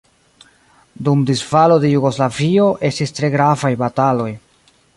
Dum disfalo de Jugoslavio estis tie gravaj bataloj.